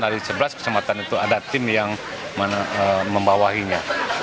dari sebelas kecamatan itu ada tim yang membawahinya